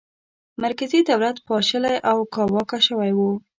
مرکزي دولت پاشلی او کاواکه شوی و.